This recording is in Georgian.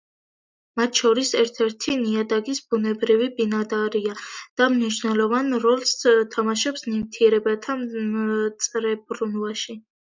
მათ შორის ერთ-ერთი ნიადაგის ბუნებრივი ბინადარია და მნიშვნელოვან როლს თამაშობს ნივთიერებათა წრებრუნვაში.